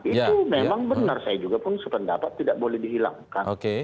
itu memang benar saya juga pun sependapat tidak boleh dihilangkan